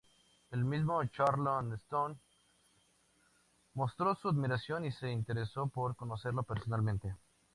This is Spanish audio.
El mismo Charlton Heston mostró su admiración y se interesó por conocerlo personalmente.